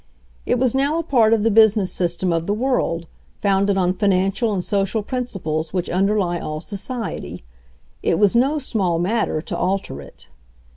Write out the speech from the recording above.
It was now a part of the business system of the world, founded on financial and social principles which underlie all society. It was no small matter to alter it.